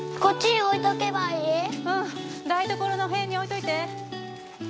台所の辺に置いといて。